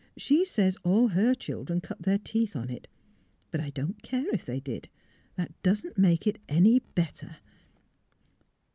She says all her children cut their teeth on it. But I don't care if they did. That doesn't make it any better."